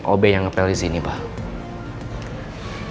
obey yang ngepel disini pak